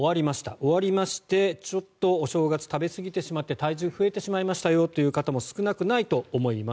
終わりましてちょっとお正月食べ過ぎてしまって体重が増えてしまいましたよという方も少なくないと思います。